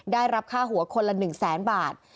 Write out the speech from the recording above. ได้รับค่าหัวคนละ๑แสนบาท